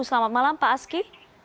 selamat malam pak aski